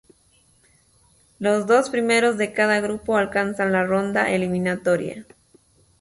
Los dos primeros de cada grupo alcanzan la ronda eliminatoria.